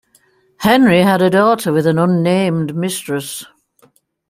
Henry had a daughter with an unnamed mistress.